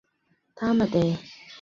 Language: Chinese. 弗拉内人口变化图示